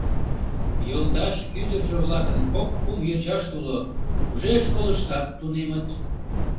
Йолташ ӱдыржӧ-влакын кок-кум йочашт уло, уже школыштат тунемыт.